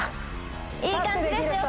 いい感じですよ